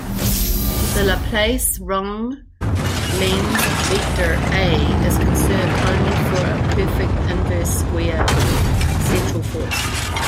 The Laplace-Runge-Lenz vector A is conserved only for a perfect inverse-square central force.